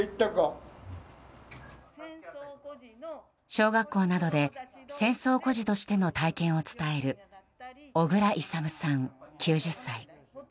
小学校などで戦争孤児としての体験を伝える小倉勇さん、９０歳。